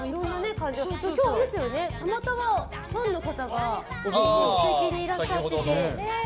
今日はたまたまファンの方が客席にいらっしゃってて。